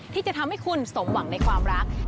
ที่จะทำให้คุณสมหวังในความรัก